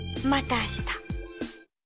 また明日。